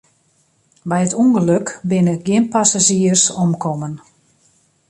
By it ûngelok binne gjin passazjiers omkommen.